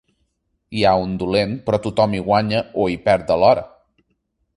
Hi ha un dolent però tothom hi guanya o hi perd alhora.